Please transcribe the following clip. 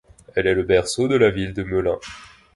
Elle est le berceau de la ville de Melun.